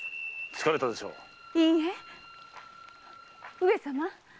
上様。